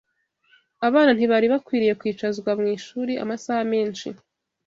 Abana ntibari bakwiriye kwicazwa mu ishuri amasaha menshi